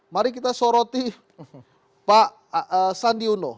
mari kita soroti pak sandi uno